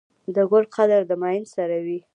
د ګل قدر د ميئن سره وي.